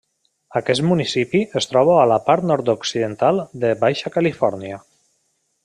Aquest municipi es troba a la part nord-occidental de Baixa Califòrnia.